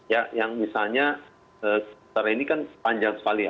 ya yang misalnya sekarang ini kan panjang sekali ya